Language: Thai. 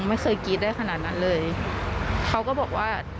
ความโหโชคดีมากที่วันนั้นไม่ถูกในไอซ์แล้วเธอเคยสัมผัสมาแล้วว่าค